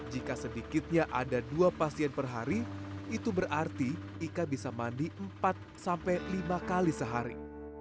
jika sedikitnya ada dua pasien per hari itu berarti ika bisa mandi empat sampai lima kali sehari